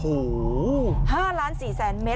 โอ้โห๕๔๐๐๐๐๐เม็ด